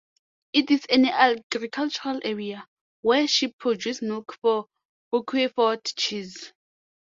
It is an agricultural area, where sheep produce milk for Roquefort cheese.